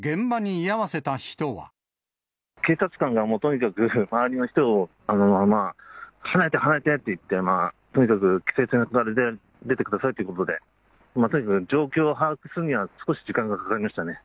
警察官がもうとにかく、周りの人を離れて離れてって言って、とにかく規制線から出てくださいということで、とにかく状況を把握するには、少し時間がかかりましたね。